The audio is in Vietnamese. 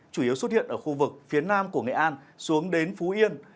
chủ yếu xuất hiện ở khu vực phía nam của nghệ an xuống đến phú yên